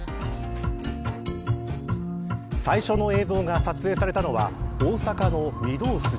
最初の映像が撮影されたのは大阪の御堂筋。